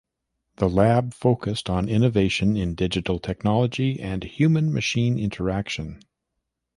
The lab focused on innovation in digital technology and human-machine interaction.